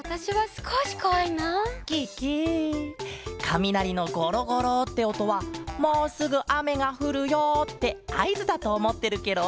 かみなりのゴロゴロっておとは「もうすぐあめがふるよ」ってあいずだとおもってるケロ。